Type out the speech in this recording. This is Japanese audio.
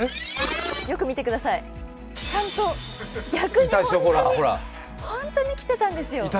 よく見てください、ちゃんと逆にホントに着てたんですよ。